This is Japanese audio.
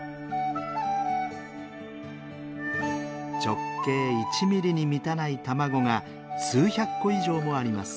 直径１ミリに満たない卵が数百個以上もあります。